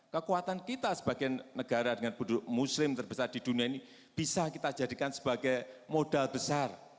kekuatan kita sebagai negara dengan buduk muslim terbesar di dunia ini bisa kita jadikan sebagai modal besar